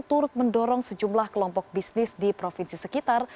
turut mendorong sejumlah kelompok bisnis di provinsi sekitar